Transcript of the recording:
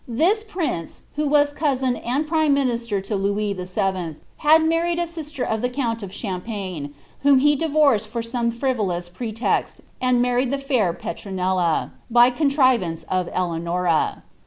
This prince, who was cousin and prime minister to Louis VII., had married a sister of the count of Champagne, whom he divorced for some frivolous pretext, and married the fair Petronilla, by the connivance of Eleanora.